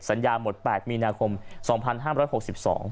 สัญญาหมด๘มีนาคม๒๕๖๒บาท